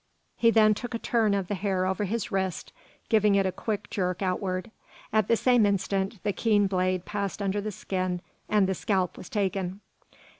He then took a turn of the hair over his wrist, giving it a quick jerk outward. At the same instant, the keen blade passed under the skin, and the scalp was taken!